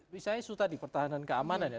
misalnya sudah di pertahanan keamanan ya